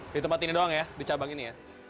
di tempat ini doang ya di cabang ini ya